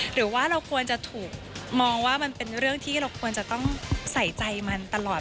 หรือว่าเราควรจะถูกมองว่ามันเป็นเรื่องที่เราควรจะต้องใส่ใจมันตลอด